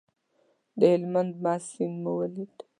د هلمند مست سیند مو ولید.